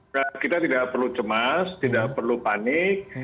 karena kita tidak perlu cemas tidak perlu panik